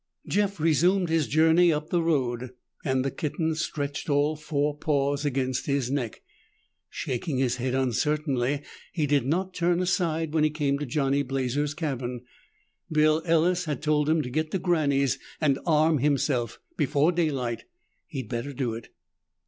Jeff resumed his journey up the road, and the kitten stretched all four paws against his neck. Shaking his head uncertainly, he did not turn aside when he came to Johnny Blazer's cabin. Bill Ellis had told him to get to Granny's and arm himself before daylight. He'd better do it.